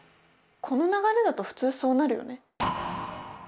この流れだと普通そうなるよね。